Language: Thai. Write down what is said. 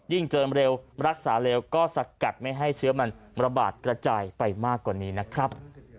เจิมเร็วรักษาเร็วก็สกัดไม่ให้เชื้อมันระบาดกระจายไปมากกว่านี้นะครับ